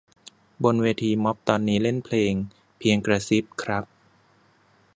บนเวทีม็อบตอนนี้เล่นเพลง "เพียงกระซิบ" ครับ